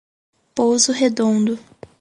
Pouso Redondo